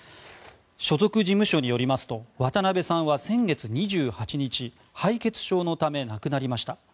所属事務所によりますと渡辺さんは先月２８日敗血症のため亡くなりました。